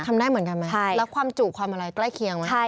ทำได้เหมือนกันไหมแล้วความจูบความอะไรใกล้เคียงไหม